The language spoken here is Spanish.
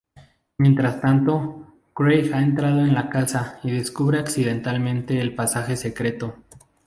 Mientras tanto, Craig ha entrado en la casa y descubre accidentalmente el pasaje secreto.